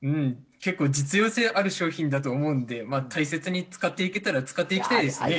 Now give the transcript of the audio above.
結構実用性ある商品だと思うのでまあ大切に使っていけたら使っていきたいですね。